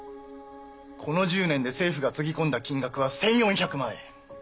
この１０年で政府がつぎ込んだ金額は１，４００万円。